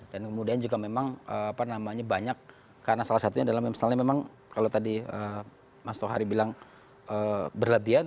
dan kemudian juga memang apa namanya banyak karena salah satunya adalah misalnya memang kalau tadi mas tauhary bilang berlebihan